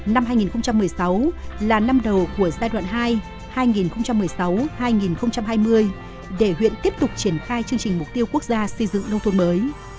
năm hai nghìn một mươi sáu là năm đầu của giai đoạn hai hai nghìn một mươi sáu hai nghìn hai mươi để huyện tiếp tục triển khai chương trình mục tiêu quốc gia xây dựng nông thôn mới